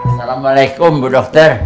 assalamualaikum bu dokter